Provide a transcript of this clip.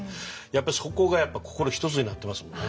やっぱりそこが心一つになってますもんね。